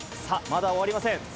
さあ、まだ終わりません。